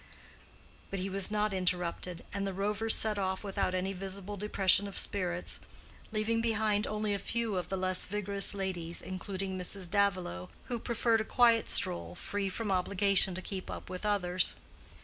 But he was not interrupted, and the rovers set off without any visible depression of spirits, leaving behind only a few of the less vigorous ladies, including Mrs. Davilow, who preferred a quiet stroll free from obligation to keep up with others.